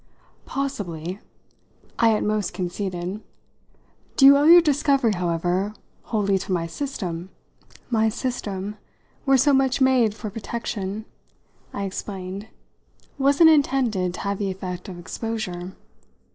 "Possibly!" I at most conceded. "Do you owe your discovery, however, wholly to my system? My system, where so much made for protection," I explained, "wasn't intended to have the effect of exposure."